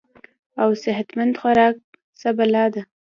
او صحت مند خوراک څۀ بلا ده -